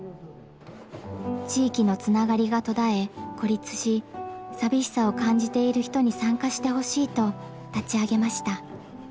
地域のつながりが途絶え孤立し寂しさを感じている人に参加してほしいと立ち上げました。